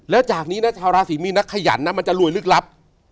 แล้วจากนี้นะชาวราศีมีนนะขยันนะมันจะรวยลึกลับ